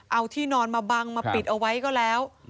เอาที่นอนมาปิดไว้ก็แล้ว